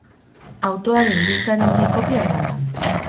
Autoaren giltzaren bi kopia eraman.